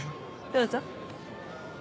どうぞ。